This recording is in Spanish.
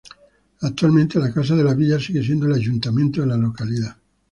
Actualmente la Casa de la Villa sigue siendo el ayuntamiento de la localidad.